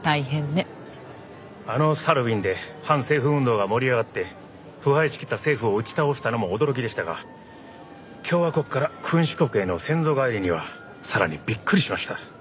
あのサルウィンで反政府運動が盛り上がって腐敗しきった政府を打ち倒したのも驚きでしたが共和国から君主国への先祖返りにはさらにびっくりしました。